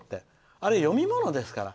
あれ、読み物ですから。